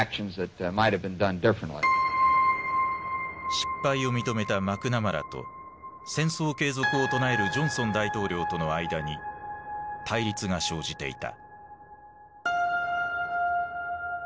失敗を認めたマクナマラと戦争継続を唱えるジョンソン大統領との間に対立が生じていた。